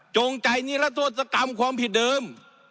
จงใจนิรัทธศกรรมความผิดเดิม